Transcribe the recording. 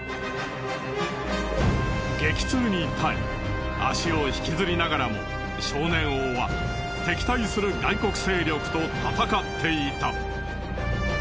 激痛に耐え足を引きずりながらも少年王は敵対する外国勢力と戦っていた。